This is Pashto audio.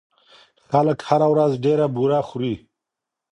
خلک هره ورځ ډېره بوره خوري.